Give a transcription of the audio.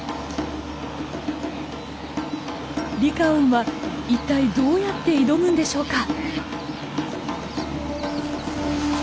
リカオンはいったいどうやって挑むんでしょうか？